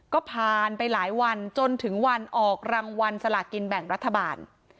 ก็ผ่านไปหลายวันจนถึงวันออกรางวัลสลากินแบ่งรัฐบาล